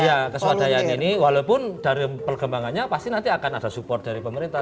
iya kesuadayaan ini walaupun dari perkembangannya pasti nanti akan ada support dari pemerintah